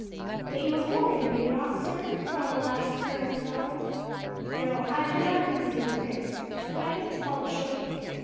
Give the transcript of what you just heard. "But you are going, are you not, sir?" Ronald asked Colonel Macdonald. "No, I do not accompany the prince; but I hope to follow shortly.